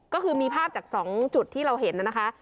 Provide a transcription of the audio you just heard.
ก็คือมีภาพจาก๒จุดที่เราเห็นนะคะ